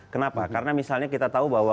kenapa karena misalnya kita tahu bahwa